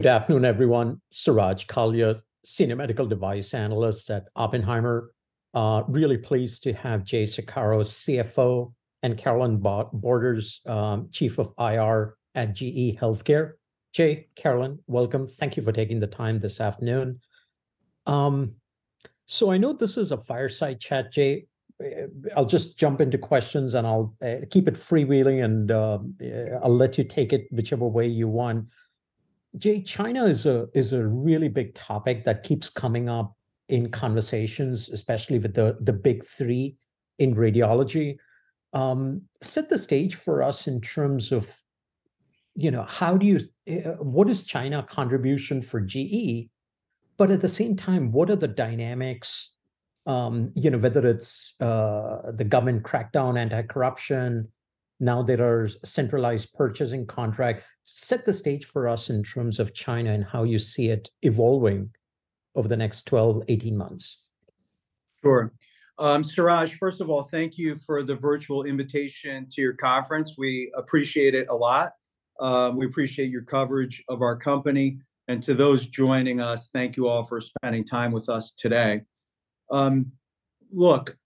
Good afternoon, everyone. Suraj Kalia, Senior Medical Device Analyst at Oppenheimer. Really pleased to have Jay Saccaro, CFO, and Carolynne Borders, Chief of IR at GE HealthCare. Jay, Carolynne, welcome. Thank you for taking the time this afternoon. So I know this is a fireside chat, Jay. I'll just jump into questions, and I'll keep it freewheeling, and I'll let you take it whichever way you want. Jay, China is a really big topic that keeps coming up in conversations, especially with the Big Three in radiology. Set the stage for us in terms of, you know, how do you... what is China contribution for GE? But at the same time, what are the dynamics, you know, whether it's the government crackdown, anti-corruption, now there are centralized purchasing contract. Set the stage for us in terms of China and how you see it evolving over the next 12-18 months? Sure. Suraj, first of all, thank you for the virtual invitation to your conference. We appreciate it a lot. We appreciate your coverage of our company, and to those joining us, thank you all for spending time with us today. Look,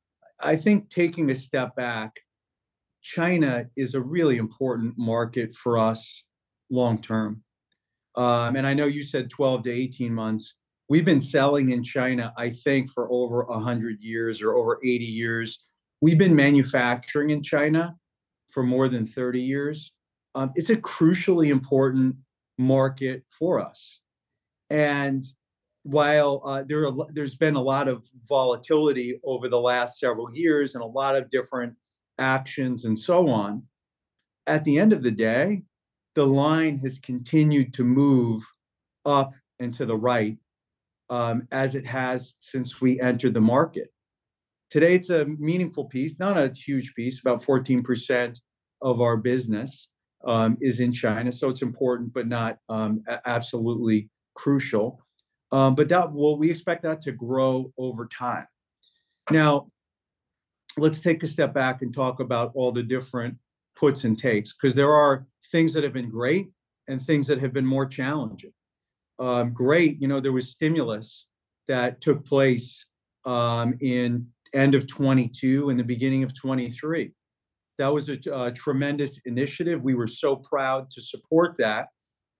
I think taking a step back, China is a really important market for us long term. And I know you said 12-18 months. We've been selling in China, I think, for over 100 years or over 80 years. We've been manufacturing in China for more than 30 years. It's a crucially important market for us, and while there has been a lot of volatility over the last several years and a lot of different actions and so on, at the end of the day, the line has continued to move up and to the right, as it has since we entered the market. Today, it's a meaningful piece, not a huge piece. About 14% of our business is in China, so it's important but not absolutely crucial. But that, well, we expect that to grow over time. Now, let's take a step back and talk about all the different puts and takes, 'cause there are things that have been great and things that have been more challenging. Great, you know, there was stimulus that took place in end of 2022 and the beginning of 2023. That was a tremendous initiative. We were so proud to support that,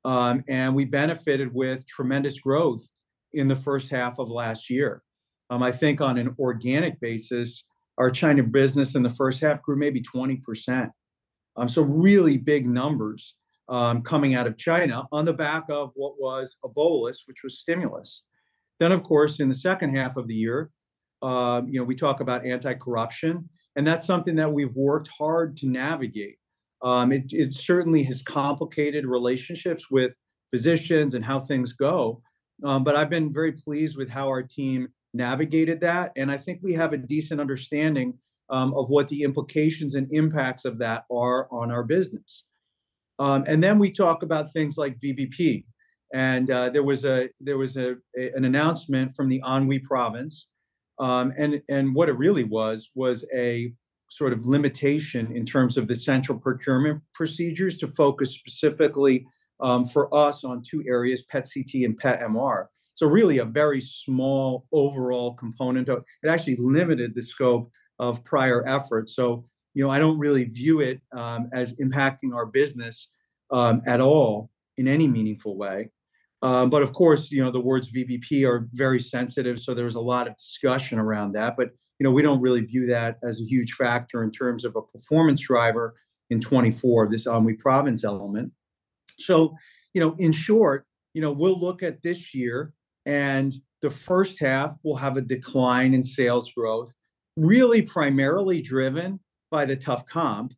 and we benefited with tremendous growth in the first half of last year. I think on an organic basis, our China business in the first half grew maybe 20%. So really big numbers, coming out of China on the back of what was a bolus, which was stimulus. Then, of course, in the second half of the year, you know, we talk about anti-corruption, and that's something that we've worked hard to navigate. It certainly has complicated relationships with physicians and how things go, but I've been very pleased with how our team navigated that, and I think we have a decent understanding of what the implications and impacts of that are on our business. And then we talk about things like VBP, and there was an announcement from the Anhui Province. And what it really was was a sort of limitation in terms of the central procurement procedures to focus specifically for us on two areas, PET/CT and PET/MR. So really a very small overall component. It actually limited the scope of prior efforts. So, you know, I don't really view it as impacting our business at all in any meaningful way. But of course, you know, the words VBP are very sensitive, so there was a lot of discussion around that. But, you know, we don't really view that as a huge factor in terms of a performance driver in 2024, this Anhui Province element. So, you know, in short, you know, we'll look at this year, and the first half will have a decline in sales growth, really primarily driven by the tough comp.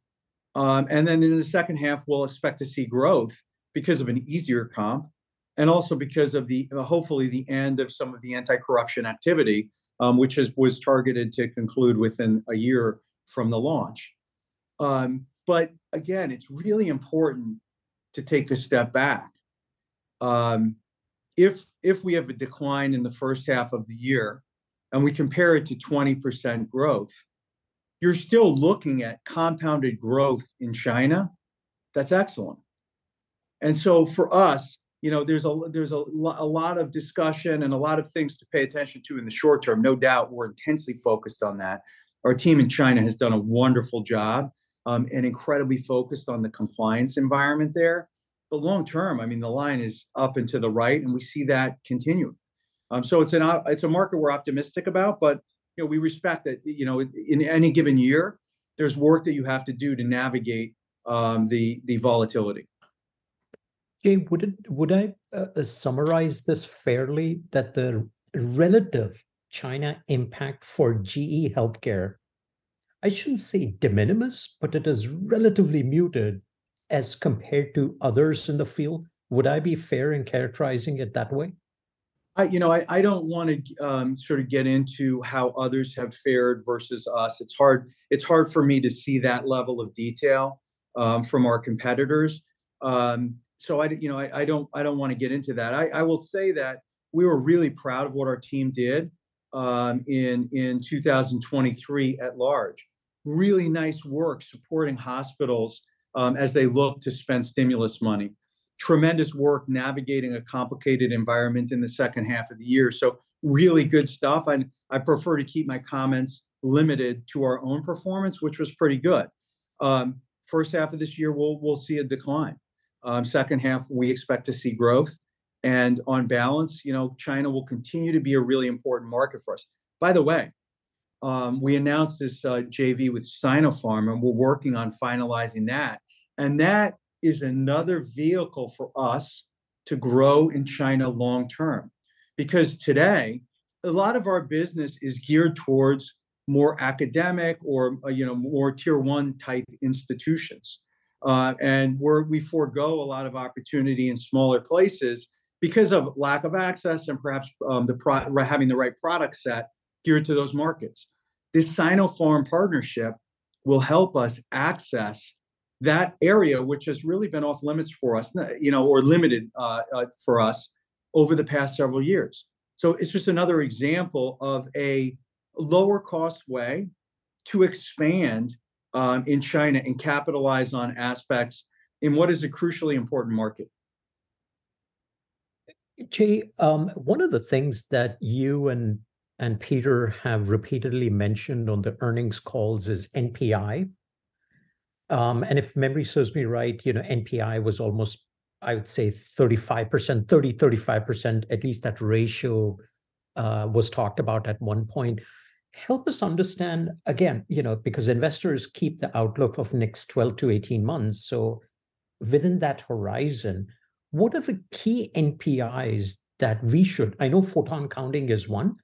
And then in the second half, we'll expect to see growth because of an easier comp, and also because of the, hopefully, the end of some of the anti-corruption activity, which was targeted to conclude within a year from the launch. But again, it's really important to take a step back. If we have a decline in the first half of the year, and we compare it to 20% growth, you're still looking at compounded growth in China. That's excellent. And so for us, you know, there's a lot of discussion and a lot of things to pay attention to in the short term. No doubt, we're intensely focused on that. Our team in China has done a wonderful job, and incredibly focused on the compliance environment there. But long term, I mean, the line is up and to the right, and we see that continuing. So it's a market we're optimistic about, but, you know, we respect that, you know, in any given year, there's work that you have to do to navigate, the volatility. Jay, would I summarize this fairly, that the relative China impact for GE HealthCare, I shouldn't say de minimis, but it is relatively muted as compared to others in the field? Would I be fair in characterizing it that way? You know, I don't wanna sort of get into how others have fared versus us. It's hard, it's hard for me to see that level of detail from our competitors. You know, I don't wanna get into that. I will say that we were really proud of what our team did in 2023 at large. Really nice work supporting hospitals as they look to spend stimulus money. Tremendous work navigating a complicated environment in the second half of the year, so really good stuff, and I prefer to keep my comments limited to our own performance, which was pretty good. First half of this year, we'll see a decline. Second half, we expect to see growth, and on balance, you know, China will continue to be a really important market for us. By the way, we announced this JV with Sinopharm, and we're working on finalizing that, and that is another vehicle for us to grow in China long term. Because today, a lot of our business is geared towards more academic or, you know, more tier one-type institutions. And we forgo a lot of opportunity in smaller places because of lack of access and perhaps having the right product set geared to those markets. This Sinopharm partnership will help us access that area, which has really been off limits for us, you know, or limited for us over the past several years. So it's just another example of a lower-cost way to expand in China and capitalize on aspects in what is a crucially important market. Jay, one of the things that you and, and Peter have repeatedly mentioned on the earnings calls is NPI. And if memory serves me right, you know, NPI was almost, I would say, 35%, 30, 35%, at least that ratio, was talked about at one point. Help us understand, again, you know, because investors keep the outlook of next 12-18 months, so within that horizon, what are the key NPIs that we should... I know photon counting is one,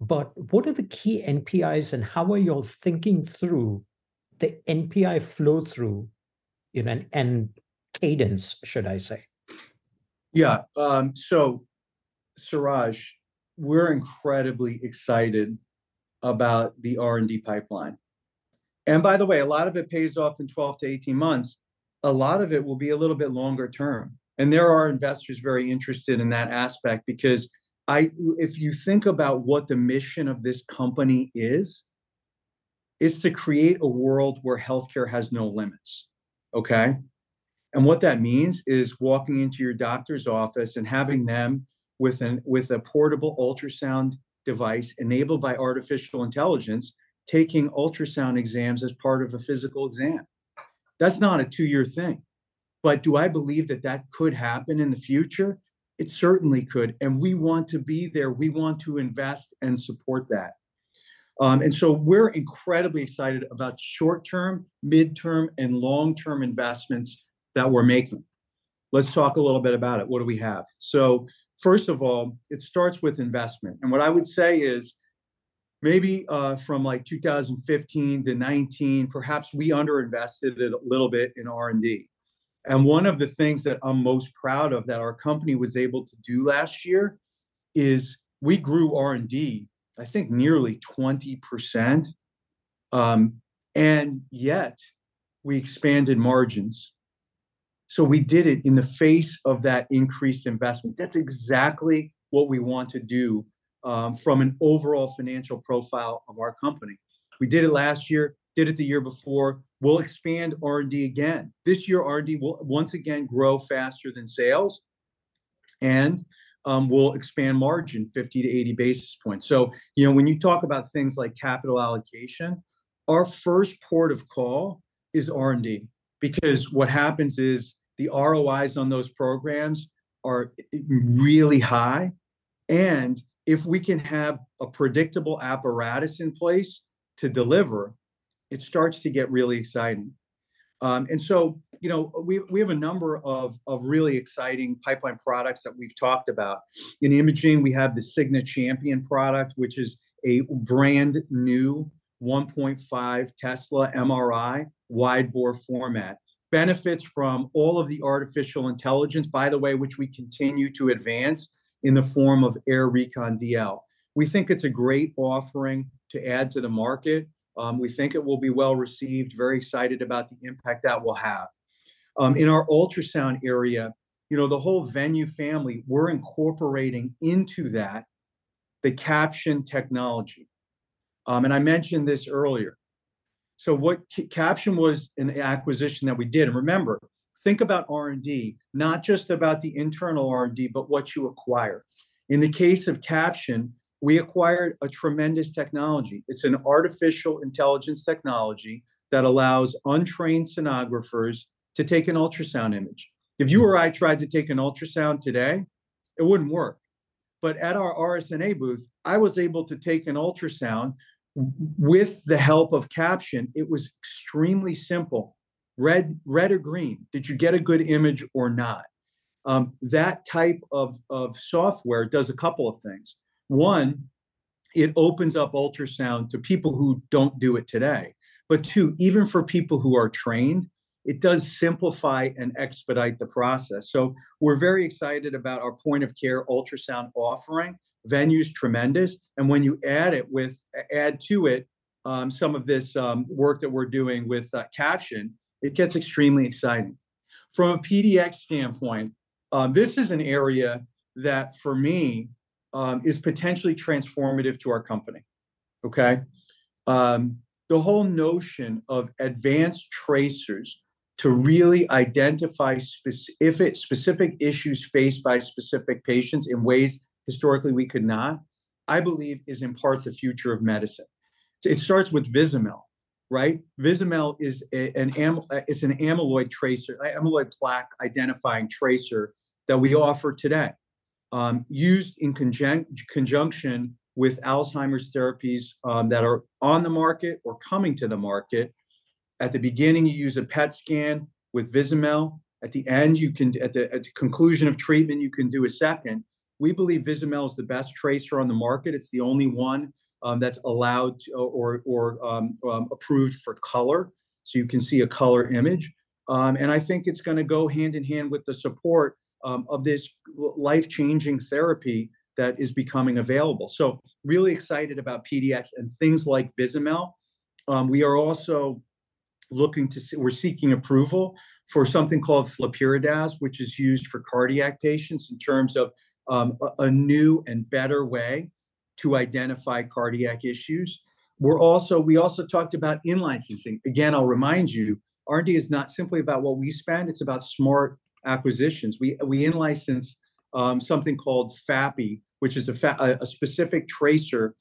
but what are the key NPIs, and how are you all thinking through the NPI flow-through, you know, and, and cadence, should I say? Yeah, so Suraj, we're incredibly excited about the R&D pipeline. And by the way, a lot of it pays off in 12-18 months. A lot of it will be a little bit longer term, and there are investors very interested in that aspect because I... If you think about what the mission of this company is, it's to create a world where healthcare has no limits, okay? And what that means is walking into your doctor's office and having them with an, with a portable ultrasound device enabled by artificial intelligence, taking ultrasound exams as part of a physical exam. That's not a two-year thing, but do I believe that that could happen in the future? It certainly could, and we want to be there. We want to invest and support that. And so we're incredibly excited about short-term, midterm, and long-term investments that we're making. Let's talk a little bit about it. What do we have? So first of all, it starts with investment, and what I would say is, maybe, from like 2015 to 2019, perhaps we underinvested it a little bit in R&D. And one of the things that I'm most proud of that our company was able to do last year is we grew R&D, I think, nearly 20%, and yet we expanded margins. So we did it in the face of that increased investment. That's exactly what we want to do, from an overall financial profile of our company. We did it last year, did it the year before. We'll expand R&D again. This year, R&D will once again grow faster than sales, and, we'll expand margin 50-80 basis points. So, you know, when you talk about things like capital allocation, our first port of call is R&D, because what happens is the ROIs on those programs are really high, and if we can have a predictable apparatus in place to deliver, it starts to get really exciting. And so, you know, we have a number of really exciting pipeline products that we've talked about. In imaging, we have the SIGNA Champion product, which is a brand-new 1.5 Tesla MRI, wide bore format. Benefits from all of the artificial intelligence, by the way, which we continue to advance in the form of AIR Recon DL. We think it's a great offering to add to the market. We think it will be well-received, very excited about the impact that will have. In our ultrasound area, you know, the whole Venue family, we're incorporating into that the Caption technology. And I mentioned this earlier. Caption was an acquisition that we did, and remember, think about R&D, not just about the internal R&D, but what you acquire. In the case of Caption, we acquired a tremendous technology. It's an artificial intelligence technology that allows untrained sonographers to take an ultrasound image. If you or I tried to take an ultrasound today, it wouldn't work. But at our RSNA booth, I was able to take an ultrasound with the help of Caption. It was extremely simple. Red or green, did you get a good image or not? That type of software does a couple of things. One, it opens up ultrasound to people who don't do it today. But two, even for people who are trained, it does simplify and expedite the process. So we're very excited about our point-of-care ultrasound offering. Venue's tremendous, and when you add it with add to it, some of this work that we're doing with Caption, it gets extremely exciting. From a PDx standpoint. This is an area that, for me, is potentially transformative to our company. Okay? The whole notion of advanced tracers to really identify specific issues faced by specific patients in ways historically we could not, I believe is, in part, the future of medicine. So it starts with Vizamyl, right? Vizamyl is a, an, it's an amyloid tracer- amyloid plaque-identifying tracer that we offer today, used in conjunction with Alzheimer's therapies, that are on the market or coming to the market. At the beginning, you use a PET scan with Vizamyl. At the end, you can... At the conclusion of treatment, you can do a second. We believe Vizamyl is the best tracer on the market. It's the only one that's allowed or approved for color, so you can see a color image. And I think it's gonna go hand-in-hand with the support of this life-changing therapy that is becoming available. So really excited about PDx and things like Vizamyl. We are also looking to—we're seeking approval for something called flurpiridaz, which is used for cardiac patients in terms of a new and better way to identify cardiac issues. We're also—we also talked about in-licensing. Again, I'll remind you, R&D is not simply about what we spend, it's about smart acquisitions. We in-license something called FAPI, which is a specific tracer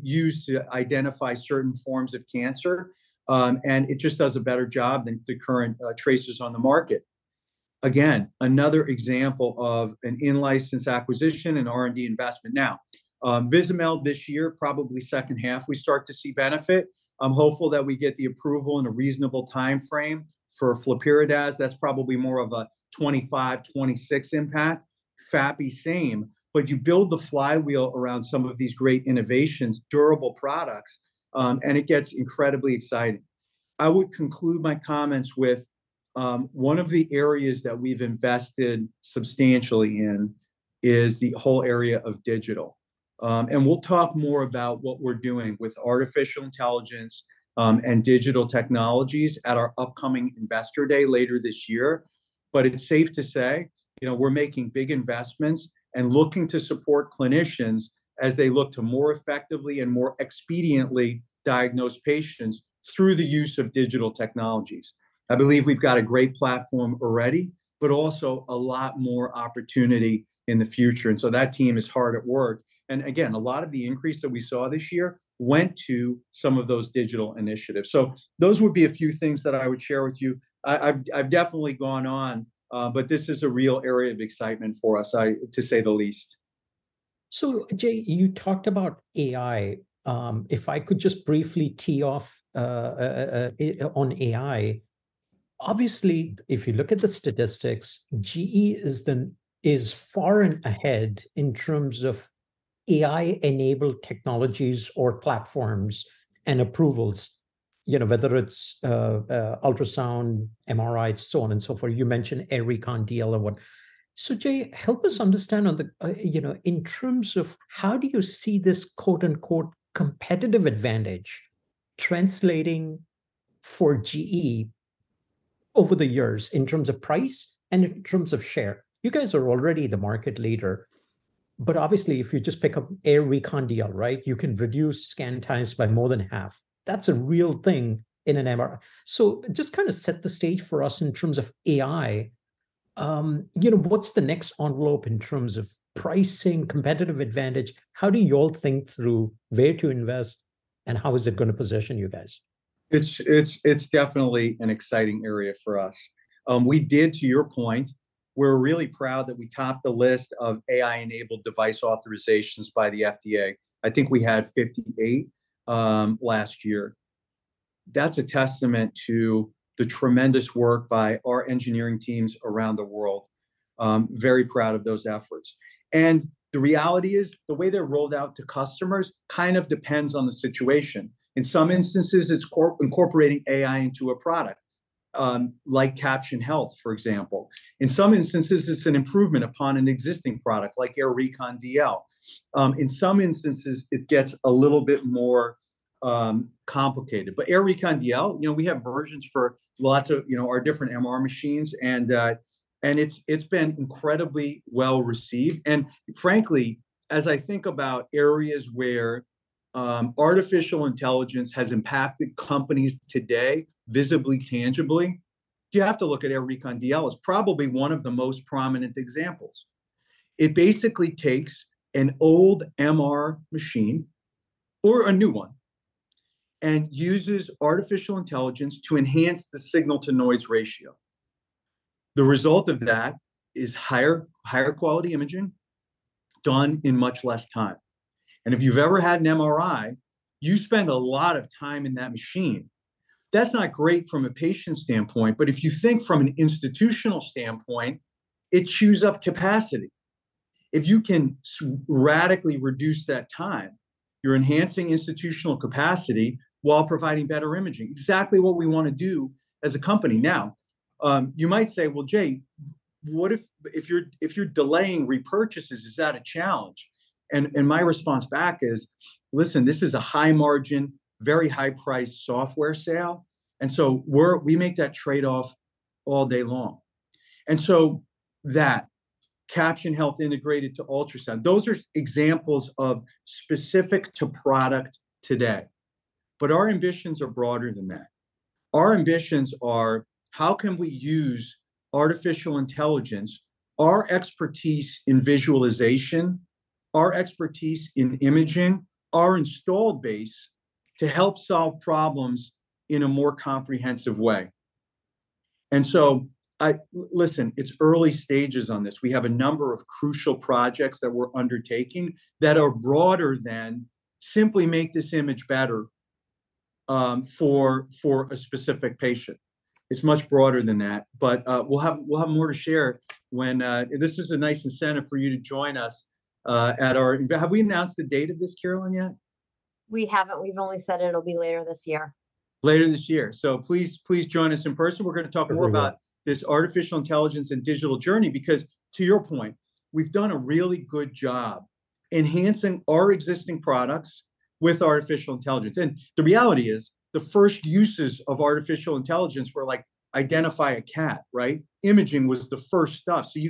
used to identify certain forms of cancer, and it just does a better job than the current tracers on the market. Again, another example of an in-license acquisition and R&D investment. Now, Vizamyl this year, probably second half, we start to see benefit. I'm hopeful that we get the approval in a reasonable timeframe. For flurpiridaz, that's probably more of a 2025, 2026 impact. FAPI, same. But you build the flywheel around some of these great innovations, durable products, and it gets incredibly exciting. I would conclude my comments with one of the areas that we've invested substantially in is the whole area of digital. And we'll talk more about what we're doing with artificial intelligence and digital technologies at our upcoming investor day later this year. But it's safe to say, you know, we're making big investments and looking to support clinicians as they look to more effectively and more expediently diagnose patients through the use of digital technologies. I believe we've got a great platform already, but also a lot more opportunity in the future, and so that team is hard at work. And again, a lot of the increase that we saw this year went to some of those digital initiatives. So those would be a few things that I would share with you. I've definitely gone on, but this is a real area of excitement for us, to say the least. So, Jay, you talked about AI. If I could just briefly tee off on AI. Obviously, if you look at the statistics, GE is far ahead in terms of AI-enabled technologies or platforms and approvals, you know, whether it's ultrasound, MRI, so on and so forth. You mentioned AIR Recon DL and what. So, Jay, help us understand, you know, in terms of how do you see this, quote-unquote, "competitive advantage" translating for GE over the years in terms of price and in terms of share? You guys are already the market leader, but obviously, if you just pick up AIR Recon DL, right, you can reduce scan times by more than half. That's a real thing in an MR. So just kinda set the stage for us in terms of AI. You know, what's the next envelope in terms of pricing, competitive advantage? How do y'all think through where to invest, and how is it gonna position you guys? It's definitely an exciting area for us. To your point, we're really proud that we topped the list of AI-enabled device authorizations by the FDA. I think we had 58 last year. That's a testament to the tremendous work by our engineering teams around the world. Very proud of those efforts. And the reality is, the way they're rolled out to customers kind of depends on the situation. In some instances, it's incorporating AI into a product, like Caption Health, for example. In some instances, it's an improvement upon an existing product, like AIR Recon DL. In some instances, it gets a little bit more complicated. But AIR Recon DL, you know, we have versions for lots of, you know, our different MR machines, and it's been incredibly well-received. Frankly, as I think about areas where artificial intelligence has impacted companies today, visibly, tangibly, you have to look at AIR Recon DL as probably one of the most prominent examples. It basically takes an old MR machine, or a new one, and uses artificial intelligence to enhance the signal-to-noise ratio. The result of that is higher, higher-quality imaging done in much less time. And if you've ever had an MRI, you spend a lot of time in that machine. That's not great from a patient standpoint, but if you think from an institutional standpoint, it chews up capacity. If you can radically reduce that time, you're enhancing institutional capacity while providing better imaging, exactly what we wanna do as a company. Now, you might say, "Well, Jay, what if... If you're delaying repurchases, is that a challenge?" And my response back is, "Listen, this is a high-margin, very high-priced software sale..." And so we make that trade-off all day long. And so that Caption Health integrated to ultrasound, those are examples of specific to product today. But our ambitions are broader than that. Our ambitions are, how can we use artificial intelligence, our expertise in visualization, our expertise in imaging, our install base, to help solve problems in a more comprehensive way? And so listen, it's early stages on this. We have a number of crucial projects that we're undertaking that are broader than simply make this image better, for a specific patient. It's much broader than that, but we'll have more to share when... This is a nice incentive for you to join us at our. Have we announced the date of this, Carolynne, yet? We haven't. We've only said it'll be later this year. Later this year. So please, please join us in person. We're going to talk more about- Agree... this artificial intelligence and digital journey, because to your point, we've done a really good job enhancing our existing products with artificial intelligence. And the reality is, the first uses of artificial intelligence were like, identify a cat, right? Imaging was the first stuff, so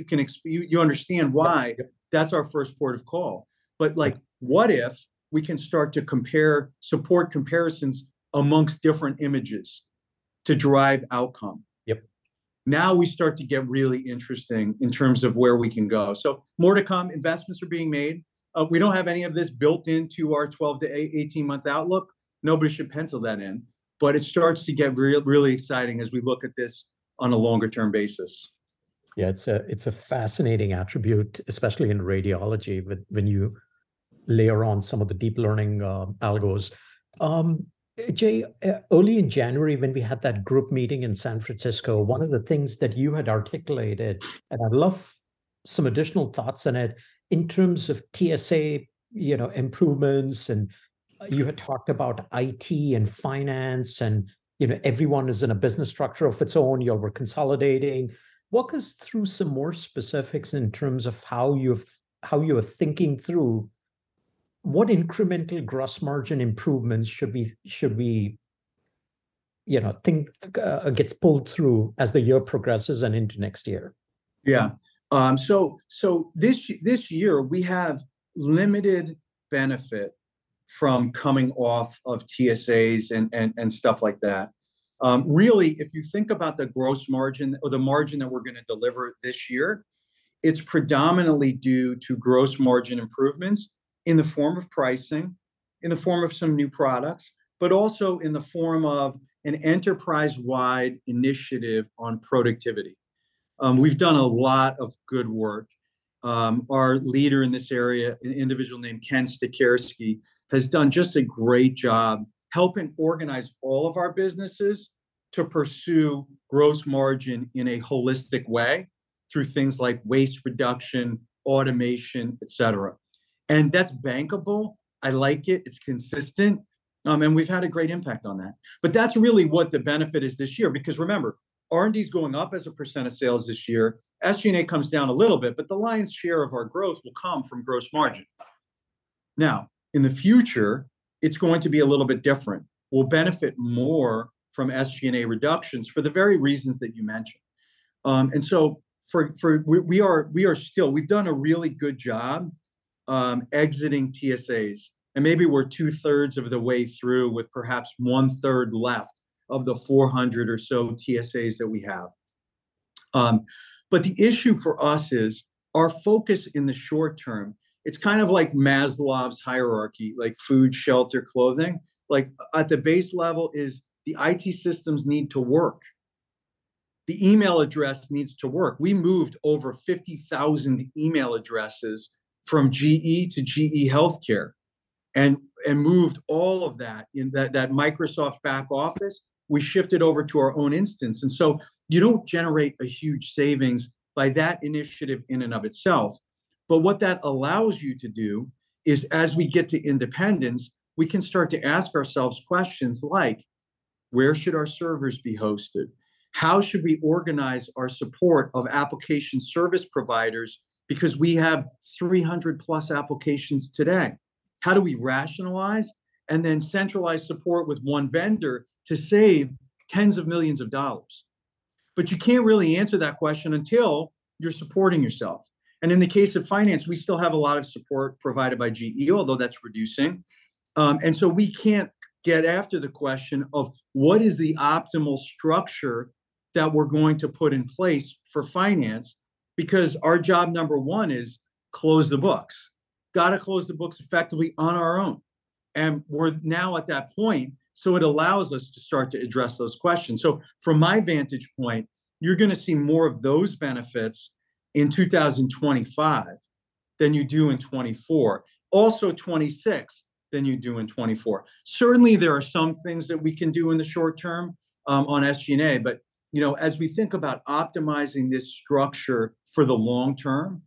you understand why that's our first port of call. But, like, what if we can start to compare, support comparisons amongst different images to drive outcome? Yep. Now we start to get really interesting in terms of where we can go. So more to come. Investments are being made. We don't have any of this built into our 12-18-month outlook. Nobody should pencil that in, but it starts to get really exciting as we look at this on a longer-term basis. Yeah, it's a fascinating attribute, especially in radiology, when you layer on some of the deep learning algos. Jay, early in January, when we had that group meeting in San Francisco, one of the things that you had articulated, and I'd love some additional thoughts on it, in terms of TSA, you know, improvements, and you had talked about IT and finance, and, you know, everyone is in a business structure of its own. You're consolidating. Walk us through some more specifics in terms of how you're thinking through what incremental gross margin improvements should be, you know, gets pulled through as the year progresses and into next year. Yeah. So this year, we have limited benefit from coming off of TSAs and stuff like that. Really, if you think about the gross margin or the margin that we're going to deliver this year, it's predominantly due to gross margin improvements in the form of pricing, in the form of some new products, but also in the form of an enterprise-wide initiative on productivity. We've done a lot of good work. Our leader in this area, an individual named Ken Stachurski, has done just a great job helping organize all of our businesses to pursue gross margin in a holistic way through things like waste reduction, automation, et cetera. And that's bankable. I like it. It's consistent, and we've had a great impact on that. But that's really what the benefit is this year, because remember, R&D is going up as a percent of sales this year. SG&A comes down a little bit, but the lion's share of our growth will come from gross margin. Now, in the future, it's going to be a little bit different. We'll benefit more from SG&A reductions for the very reasons that you mentioned. And so we've done a really good job exiting TSAs, and maybe we're two-thirds of the way through, with perhaps one-third left of the 400 or so TSAs that we have. But the issue for us is, our focus in the short term, it's kind of like Maslow's hierarchy, like food, shelter, clothing. Like, at the base level is the IT systems need to work. The email address needs to work. We moved over 50,000 email addresses from GE to GE HealthCare and moved all of that, in that Microsoft back office, we shifted over to our own instance. And so you don't generate a huge savings by that initiative in and of itself. But what that allows you to do is, as we get to independence, we can start to ask ourselves questions like: Where should our servers be hosted? How should we organize our support of application service providers, because we have 300+ applications today? How do we rationalize and then centralize support with one vendor to save $tens of millions? But you can't really answer that question until you're supporting yourself. And in the case of finance, we still have a lot of support provided by GE, although that's reducing. And so we can't get after the question of, what is the optimal structure that we're going to put in place for finance? Because our job number one is close the books. Got to close the books effectively on our own, and we're now at that point, so it allows us to start to address those questions. So from my vantage point, you're going to see more of those benefits in 2025 than you do in 2024. Also 2026, than you do in 2024. Certainly, there are some things that we can do in the short term, on SG&A, but, you know, as we think about optimizing this structure for the long term,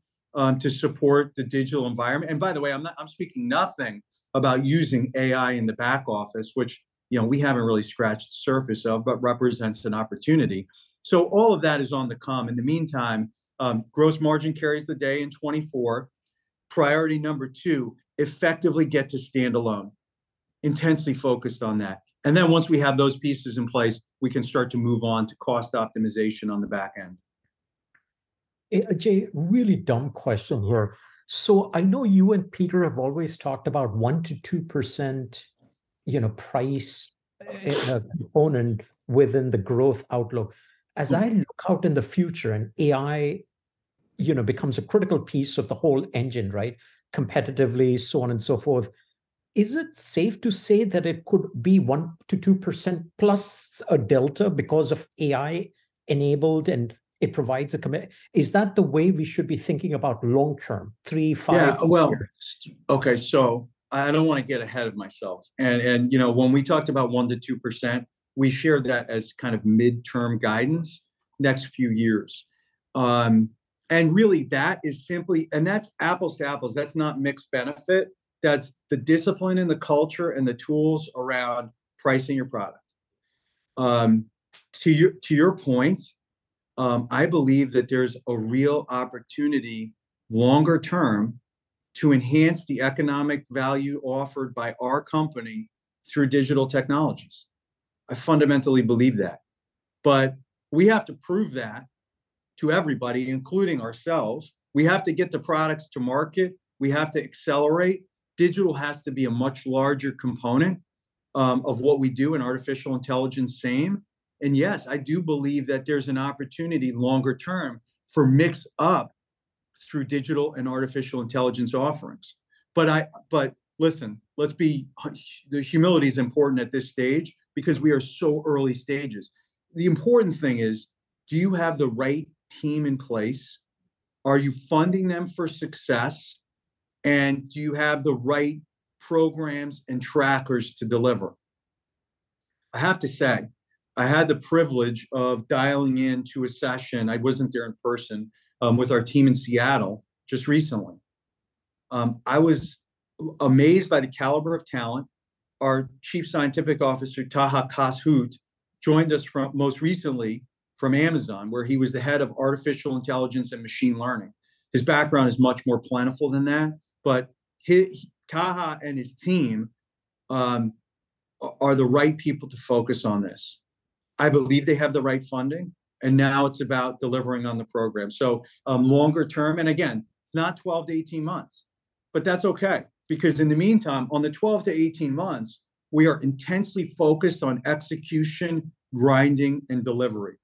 to support the digital environment. And by the way, I'm not, I'm speaking nothing about using AI in the back office, which, you know, we haven't really scratched the surface of, but represents an opportunity. So all of that is on the come. In the meantime, gross margin carries the day in 2024. Priority number two, effectively get to standalone. Intensely focused on that. And then once we have those pieces in place, we can start to move on to cost optimization on the back end. Jay, really dumb question here. So I know you and Peter have always talked about 1%-2%, you know, price component within the growth outlook. As I look out in the future and AI, you know, becomes a critical piece of the whole engine, right? Competitively, so on and so forth. Is it safe to say that it could be 1%-2% plus a delta because of AI-enabled and it provides a commit- Is that the way we should be thinking about long term, 3-5 years? Yeah, well, okay, so I don't wanna get ahead of myself and you know, when we talked about 1%-2%, we shared that as kind of midterm guidance, next few years. And really that is simply and that's apples to apples, that's not mixed benefit. That's the discipline and the culture and the tools around pricing your product. To your point, I believe that there's a real opportunity, longer term, to enhance the economic value offered by our company through digital technologies. I fundamentally believe that. But we have to prove that to everybody, including ourselves. We have to get the products to market. We have to accelerate. Digital has to be a much larger component of what we do in artificial intelligence, same. And yes, I do believe that there's an opportunity, longer term, for mix-up through digital and artificial intelligence offerings. But listen, let's be the humility is important at this stage because we are so early stages. The important thing is: Do you have the right team in place? Are you funding them for success? And do you have the right programs and trackers to deliver? I have to say, I had the privilege of dialing into a session, I wasn't there in person, with our team in Seattle just recently. I was amazed by the caliber of talent. Our Chief Scientific Officer, Taha Kass-Hout, joined us from, most recently from Amazon, where he was the head of artificial intelligence and machine learning. His background is much more plentiful than that, but he, Taha and his team are the right people to focus on this. I believe they have the right funding, and now it's about delivering on the program. So, longer term, and again, it's not 12-18 months, but that's okay. Because in the meantime, on the 12-18 months, we are intensely focused on execution, grinding, and delivery.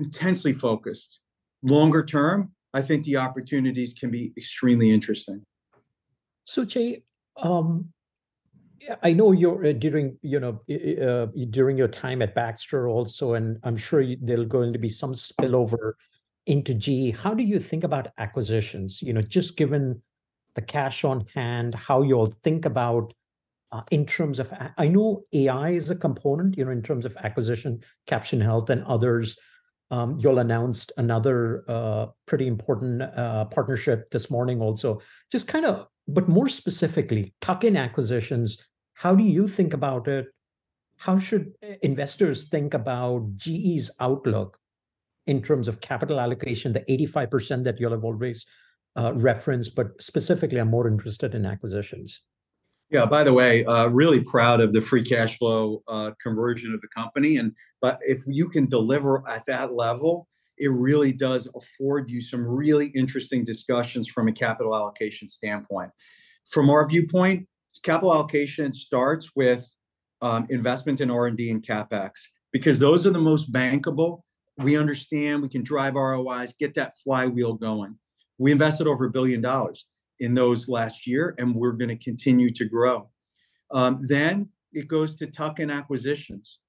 Intensely focused. Longer term, I think the opportunities can be extremely interesting. So, Jay, I know you're, during your time at Baxter also, and I'm sure there's going to be some spillover into GE, how do you think about acquisitions? You know, just given the cash on hand, how you all think about, in terms of a... I know AI is a component, you know, in terms of acquisition, Caption Health and others. You all announced another, pretty important, partnership this morning also. Just kind of, but more specifically, tuck-in acquisitions, how do you think about it? How should investors think about GE's outlook in terms of capital allocation, the 85% that you all have always, referenced, but specifically, I'm more interested in acquisitions? Yeah, by the way, really proud of the free cash flow conversion of the company, and but if you can deliver at that level, it really does afford you some really interesting discussions from a capital allocation standpoint. From our viewpoint, capital allocation starts with investment in R&D and CapEx, because those are the most bankable. We understand we can drive ROIs, get that flywheel going. We invested over $1 billion in those last year, and we're gonna continue to grow. Then it goes to tuck-in acquisitions.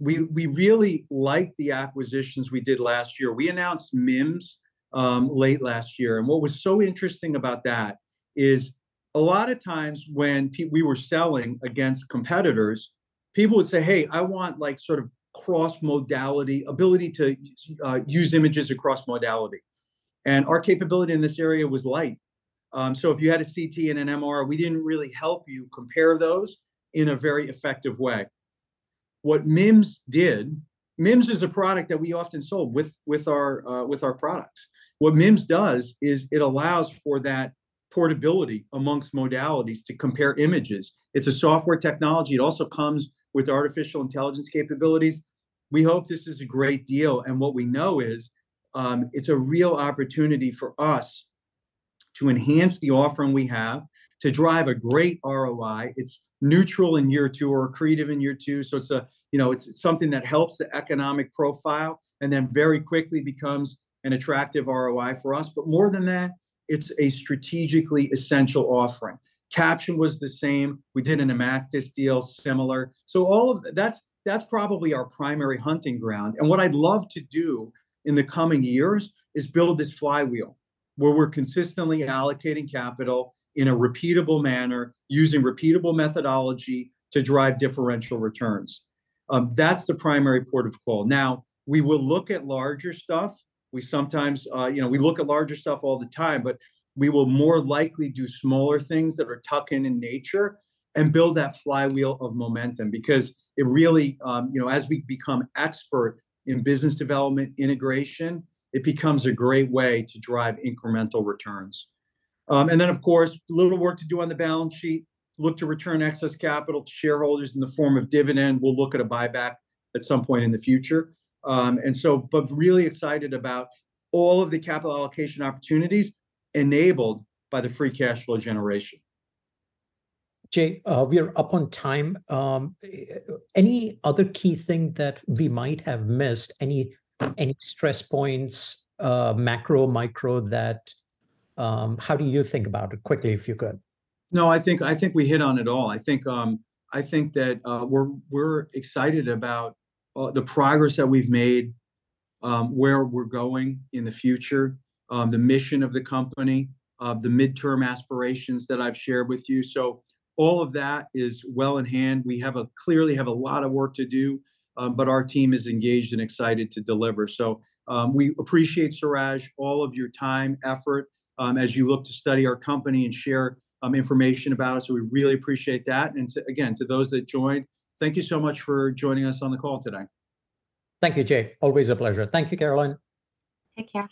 We, we really like the acquisitions we did last year. We announced MIM, late last year, and what was so interesting about that is a lot of times when we were selling against competitors, people would say: "Hey, I want like, sort of cross-modality, ability to, use images across modality." And our capability in this area was light. So if you had a CT and an MR, we didn't really help you compare those in a very effective way. What MIM did... MIM is a product that we often sold with our products. What MIM does is it allows for that portability amongst modalities to compare images. It's a software technology. It also comes with artificial intelligence capabilities. We hope this is a great deal, and what we know is, it's a real opportunity for us to enhance the offering we have, to drive a great ROI. It's neutral in year two or creative in year two, so it's a, you know, it's something that helps the economic profile and then very quickly becomes an attractive ROI for us. But more than that, it's a strategically essential offering. Caption was the same. We did an IMACTIS deal, similar. So all of—that's, that's probably our primary hunting ground, and what I'd love to do in the coming years is build this flywheel, where we're consistently allocating capital in a repeatable manner, using repeatable methodology to drive differential returns. That's the primary port of call. Now, we will look at larger stuff. We sometimes, you know, we look at larger stuff all the time, but we will more likely do smaller things that are tuck-in in nature and build that flywheel of momentum, because it really, you know, as we become expert in business development integration, it becomes a great way to drive incremental returns. And then, of course, little work to do on the balance sheet, look to return excess capital to shareholders in the form of dividend. We'll look at a buyback at some point in the future. And so, but really excited about all of the capital allocation opportunities enabled by the free cash flow generation. Jay, we are up on time. Any other key thing that we might have missed? Any stress points, macro, micro, how do you think about it? Quickly, if you could. No, I think we hit on it all. I think that we're excited about the progress that we've made, where we're going in the future, the mission of the company, the midterm aspirations that I've shared with you. So all of that is well in hand. We clearly have a lot of work to do, but our team is engaged and excited to deliver. So, we appreciate, Suraj, all of your time, effort, as you look to study our company and share information about us. We really appreciate that. And to, again, to those that joined, thank you so much for joining us on the call today. Thank you, Jay. Always a pleasure. Thank you, Carolynne. Take care.